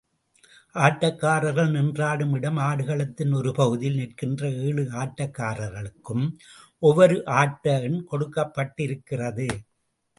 ஆட்டக்காரர்கள் நின்றாடும் இடம் ஆடுகளத்தின் ஒரு பகுதியில், நிற்கின்ற ஏழு ஆட்டக்காரர்களுக்கும் ஒவ்வொரு ஆட்ட எண் கொடுக்கப்பட்டிருக்கிறது.